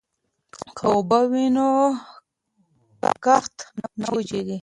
که اوبه وي نو کښت نه وچيږي.